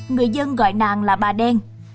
người dân gọi nàng là bà đen